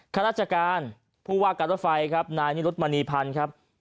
ข้าราชการผู้ว่าการรถไฟครับนายนิรุธมณีพันธ์ครับ